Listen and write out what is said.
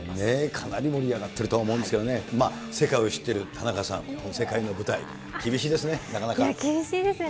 かなり盛り上がっているとは思うんですけれどもね、世界を知っている田中さん、世界の舞台、厳しいですね、厳しいですね。